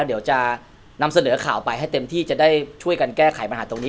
เดี๋ยวจะนำเสนอข่าวไปให้เต็มที่จะได้ช่วยกันแก้ไขปัญหาตรงนี้